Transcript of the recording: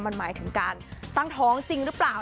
มันหมายถึงการตั้งท้องจริงหรือเปล่า